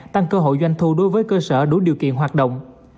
tăng cơ hội doanh thu đối với cơ sở đủ điều kiện hoạt động